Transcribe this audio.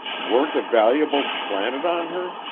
"Weren't the valuables planted on her?"